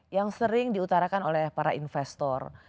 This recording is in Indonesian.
yang sering diutarakan oleh para investor